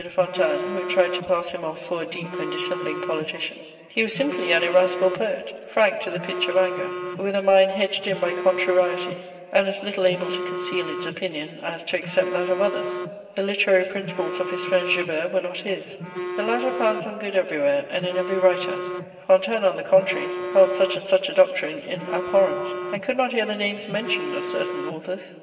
de Fontanes, who tried to pass him off for a deep and dissembling politician: he was simply an irascible poet, frank to the pitch of anger, with a mind hedged in by contrariety, and as little able to conceal its opinion as to accept that of others. The literary principles of his friend Joubert were not his: the latter found some good everywhere and in every writer; Fontanes, on the contrary, held such and such a doctrine in abhorrence, and could not hear the names mentioned of certain authors.